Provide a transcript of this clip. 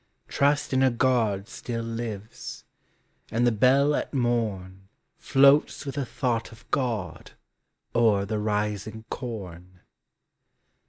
11 Trust in a God still lives, And the bell at morn Floats with a thought of God O'er the rising corn.